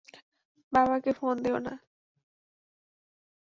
বাবাকে ফোন দিও না।